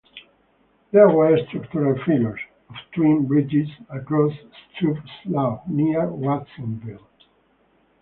There were structural failures of twin bridges across Struve Slough near Watsonville.